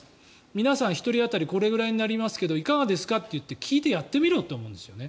皆さん、１人当たりこれぐらいになりますけどいかがですかって言って聞いてやってみろって思うんですよね。